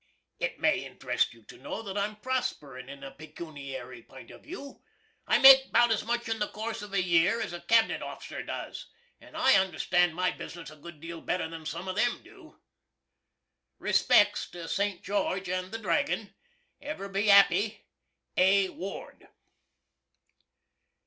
It may interest you to know that I'm prosperin' in a pecoonery pint of view. I make 'bout as much in the course of a year as a cab'net offisser does, & I understand my business a good deal better than some of them do. Respecks to St. George & the Dragon. Ever be 'appy. A. Ward.